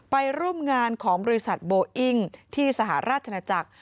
ไปร่วมงานของบริษัทโบอิ้งที่สหราชนาจักร